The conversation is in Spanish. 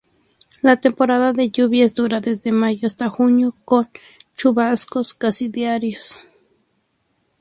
La temporada de lluvias dura desde mayo hasta junio, con chubascos casi diarios.